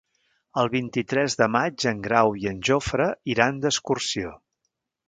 El vint-i-tres de maig en Grau i en Jofre iran d'excursió.